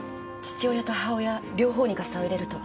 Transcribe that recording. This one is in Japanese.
父親と母親両方にガサを入れると。